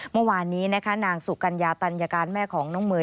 เมื่อวานนี้นะคะนางสุกัญญาตัญญาการแม่ของน้องเมย์